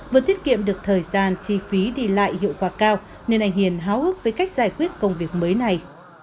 vừa tiết kiệm được thời gian chi phí đi lại hiệu quả cao nên anh hiền háo hức với cách giải quyết công việc mới này